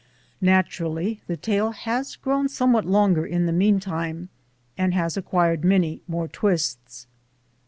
Naturally the tale has grown somewhat longer in the meantime and has acquired many more twists.